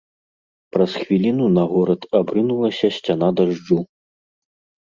Праз хвіліну на горад абрынулася сцяна дажджу.